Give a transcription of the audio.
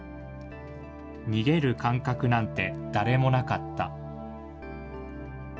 逃げる感覚なんて、誰もなかった。